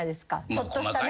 ちょっとしたね。